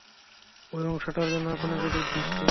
ওই অংশটার জন্য আপনাকে দোষ দিচ্ছি।